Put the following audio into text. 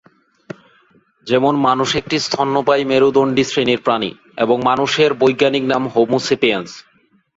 যেমন মানুষ একটি স্তন্যপায়ী, মেরুদণ্ডী শ্রেণীর প্রাণী এবং মানুষের বৈজ্ঞানিক নাম "হোমো স্যাপিয়েন্স"।